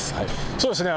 そうですね。